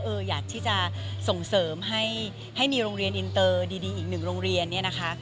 ว่าอยากที่จะส่งเสริมให้มีโรงเรียนอินเตอร์ดีอีก๑โรงเรียน